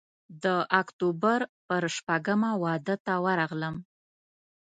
د اکتوبر پر شپږمه واده ته ورغلم.